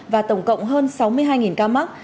và tổng cộng hơn sáu mươi hai ca mắc